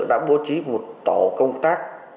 đã bố trí một tổ công tác